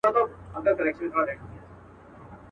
څوك وتلى په شل ځله تر تلك دئ.